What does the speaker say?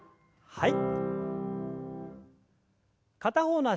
はい。